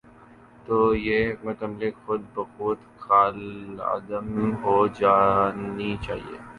تو یہ حکمت عملی خود بخود کالعدم ہو جا نی چاہیے۔